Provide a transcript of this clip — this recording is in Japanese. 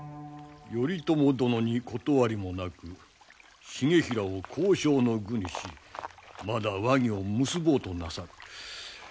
頼朝殿に断りもなく重衡を交渉の具にしまだ和議を結ぼうとなさる。